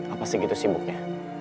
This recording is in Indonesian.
apa segitu sibuknya